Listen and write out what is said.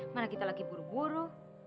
mana kita lagi buru buru